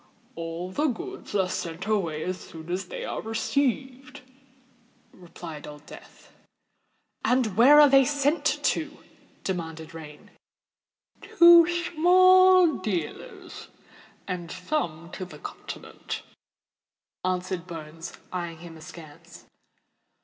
"All the goods are sent away as soon as they are received," replied Old Death. "And where are they sent to?" demanded Rain. "To the small dealers—and some to the continent," answered Bones, eyeing him askance.